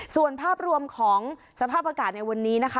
ส่วนภาพรวมของสภาพอากาศในวันนี้นะคะ